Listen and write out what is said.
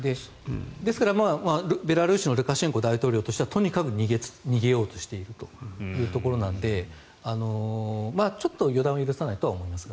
ですからベラルーシのルカシェンコ大統領としてはとにかく逃げようとしているというところなのでちょっと予断を許さないとは思いますが。